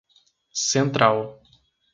Central